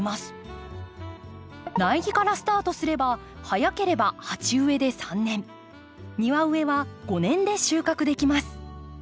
苗木からスタートすれば早ければ鉢植えで３年庭植えは５年で収穫できます。